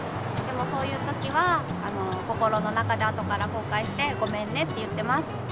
でもそういう時は心の中であとからこうかいしてごめんねって言ってます。